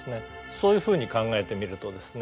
そういうふうに考えてみるとですね